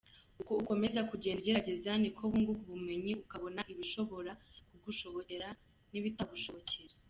Uko ukomeza kugenda ugerageza ni ko wunguka ubumenyi ukabona ibishobora kugushobokera n’ibitagushobokera.